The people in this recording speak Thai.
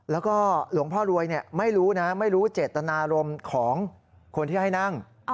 แล้วก็หลวงพ่อรวยไม่รู้นะไม่รู้เจตนารมณ์ของคนที่ให้นั่ง